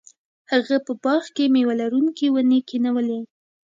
هغه په باغ کې میوه لرونکې ونې کینولې.